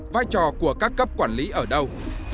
vai trò của các cấp quản lý ở đâu